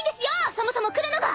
そもそも来るのが！